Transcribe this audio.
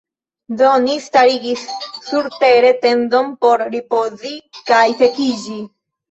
Do ni starigis surtere tendon por ripozi kaj sekiĝi.